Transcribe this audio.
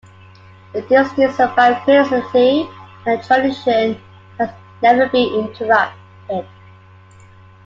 The Disting survived Christianity, and the tradition has never been interrupted.